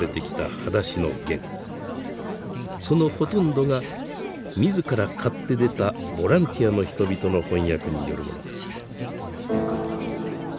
そのほとんどが自ら買って出たボランティアの人々の翻訳によるものです。